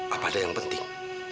apa ada yang penting